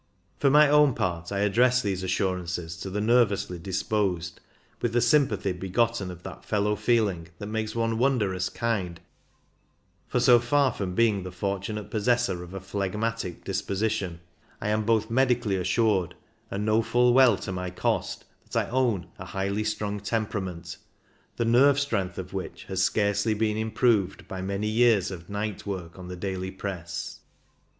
For my own part I address these assurances to the nervously disposed with the sympathy begotten of that fellow feeling that makes one wondrous kind, for so far from being the fortunate possessor of a phlegmatic disposition, I am both medically assured, and know full well to my cost, that I own a highly strung tern 2o6 CYCUNG IN THE ALPS perament, the nerve strength of which has scarcely been improved by many years of night work on the daily press.